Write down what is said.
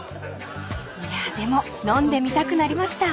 ［いやでも飲んでみたくなりました］